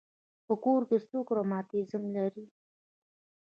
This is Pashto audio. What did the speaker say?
په کور کې څوک رماتیزم لري.